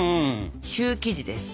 シュー生地です。